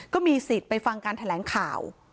ก็มีสิทธิ์ไปฟังการแถลงข่าว